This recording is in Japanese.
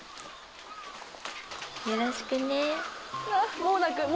よろしくね。